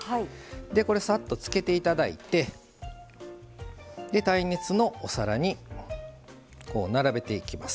これさっとつけていただいて耐熱のお皿に並べていきます。